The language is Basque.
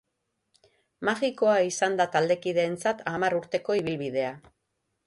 Magikoa izan da taldekideentzat hamar urteko ibilbidea.